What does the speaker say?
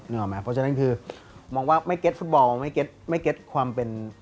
เพราะฉะนั้นคือมองว่าไม่เก็ตฟุตบอลไม่เก็ตไม่เก็ตความเป็น